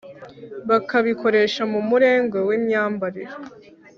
bakabikoresha mu murengwe wimyambarire